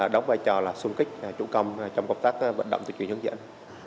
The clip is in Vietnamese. đóng vai trò xung kích chủ công trong cộng tác vận động tuyên truyền hướng dẫn